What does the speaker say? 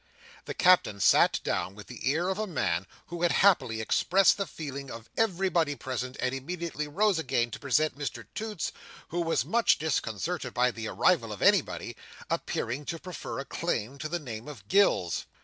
The Captain sat down with the air of a man who had happily expressed the feeling of everybody present, and immediately rose again to present Mr Toots, who was much disconcerted by the arrival of anybody, appearing to prefer a claim to the name of Gills.